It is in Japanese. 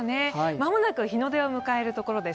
間もなく日の出を迎えるところです。